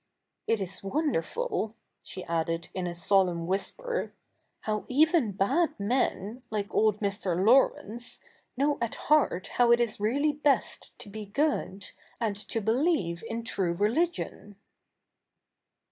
It is wonderful,' she added in a solemn whisper, ' how even bad men, like old Mr. Laurence, know at heart how it is really best to be good, and to believe in true religion.'